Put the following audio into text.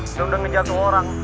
udah udah ngejatuh orang